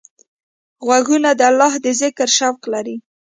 غوږونه د الله د ذکر شوق لري